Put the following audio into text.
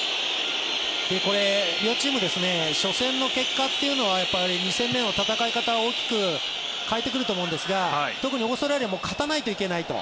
両チーム初戦の結果というのは２戦目の戦い方を大きく変えてくると思うんですが特にオーストラリアも勝たないといけないと。